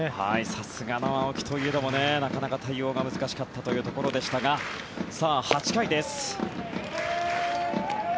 さすがの青木といえどもなかなか対応が難しかったというところですが８回です。